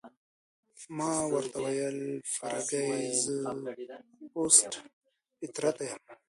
ما ورته وویل: فرګي، زه پست فطرته یم؟